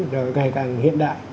rồi ngày càng hiện đại